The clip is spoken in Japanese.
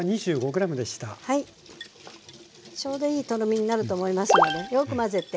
ちょうどいいとろみになると思いますのでよく混ぜて。